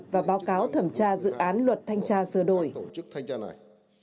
và báo cáo thẩm tra dự án luật thanh tra sửa đổi